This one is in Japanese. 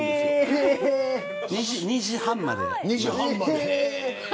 ２時半まで。